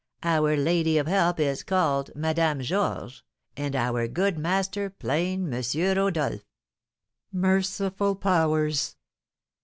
'Our Lady of Help' is called Madame Georges, and our good master plain M. Rodolph." "Merciful powers!